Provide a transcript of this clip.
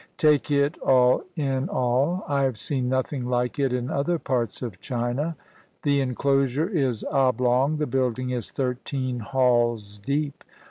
Take it all in all, I have seen nothing like it in other parts of China, The inclosure is oblong; the building is thirteen halls deep.